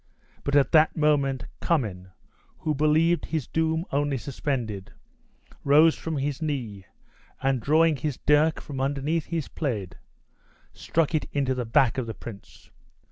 But at that moment Cummin, who believed his doom only suspended, rose from his knee, and drawing his dirk from under his plaid, struck it into the back of the prince.